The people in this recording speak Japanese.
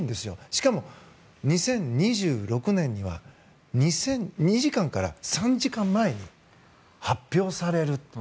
しかも、２０２６年には２時間から３時間前に発表される。